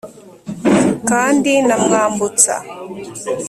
Kandi na Mwambutsa